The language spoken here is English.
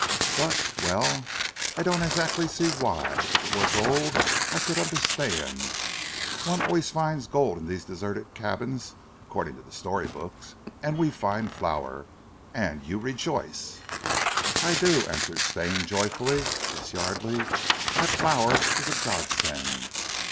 "But well I don't exactly see why! If it were gold, I could understand. One always finds gold in these deserted cabins, according to the story books. And we find flour and you rejoice!" "I do," answered Stane joyfully. "Miss Yardely, that flour is a godsend.